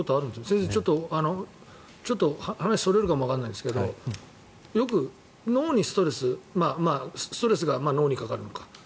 先生、ちょっと話がそれるかもわからないですがよく脳にストレスが脳にかかるのか。